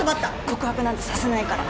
告白なんてさせないから。